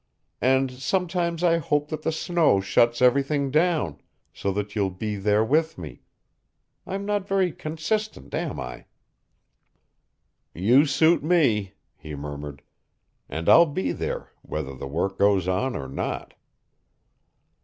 And sometimes I hope that the snow shuts everything down, so that you'll be there with me. I'm not very consistent, am I?" "You suit me," he murmured. "And I'll be there whether the work goes on or not."